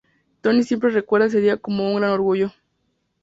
Tony siempre recuerda ese día con un gran orgullo.